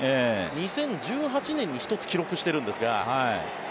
２０１８年に１つ記録しているんですが。